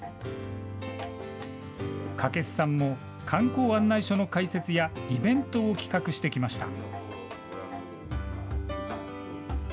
掛須さんも観光案内所の開設やイベントを企画してきました。